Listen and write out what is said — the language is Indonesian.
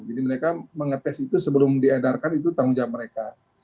jadi mereka mengetes itu sebelum diedarkan itu tanggung jawab mereka